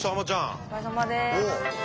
お疲れさまです。